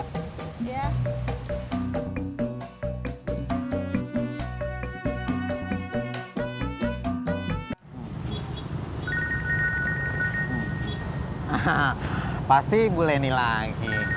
hahaha pasti bu leni lagi